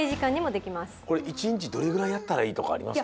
これ１にちどれぐらいやったらいいとかありますか？